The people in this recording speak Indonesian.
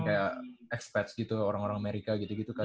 kayak expect gitu orang orang amerika gitu gitu kan